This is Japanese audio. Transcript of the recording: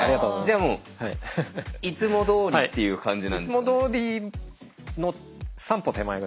じゃもういつもどおりっていう感じ？